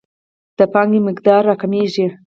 د پانګې مقدار راکمیږي.